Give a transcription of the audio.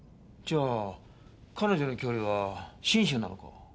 じゃあ彼女の郷里は信州なのか？